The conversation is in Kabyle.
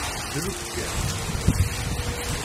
Dlut kan.